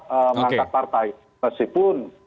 mengangkat partai meskipun